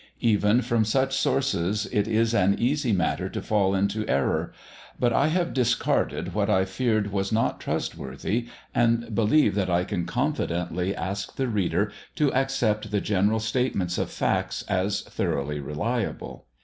Even from such sources it is an easy matter to fall into error; but I have discarded what I feared was not trustworthy, and believe that I can confidently ask the reader to accept the general statements of facts as thoroughly reliable.